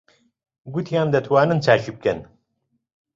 گوتیان دەتوانن چاکی بکەن.